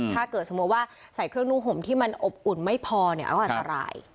ถ้าเกิดสมมุติว่าใส่เครื่องนุ่งห่มที่มันอบอุ่นไม่พอเนี่ยก็อันตราย